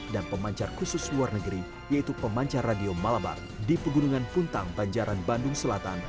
dan pemancar khusus luar negeri yaitu pemancar radio malabar di pegunungan puntang banjaran bandung selatan